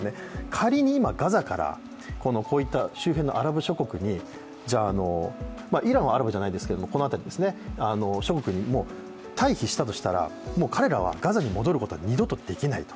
仮に今、ガザからこういった周辺のアラブ諸国に、イランはアラブじゃないですけれどもこの辺りの諸国に退避したとしたら彼らはガザに戻ることは二度とできないと。